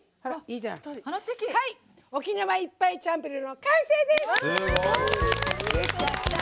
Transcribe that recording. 「沖縄いっパインチャンプルー」の完成です！